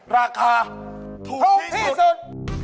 ราคาถูกที่สุด